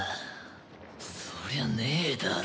そりゃねえだろ。